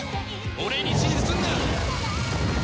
俺に指示すんな！